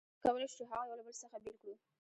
څنګه کولای شو چې هغه یو له بل څخه بېل کړو؟